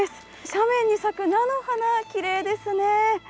斜面に咲く菜の花、きれいですね。